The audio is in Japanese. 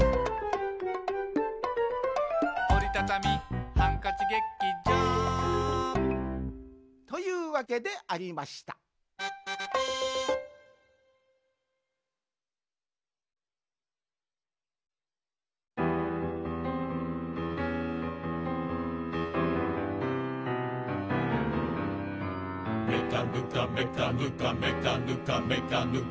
「おりたたみハンカチ劇場」というわけでありました「めかぬかめかぬかめかぬかめかぬか」